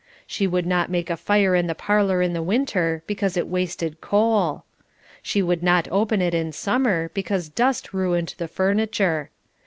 She would not make a fire in the parlour in the winter, because it wasted coal. She would not open it in summer because dust ruined the furniture.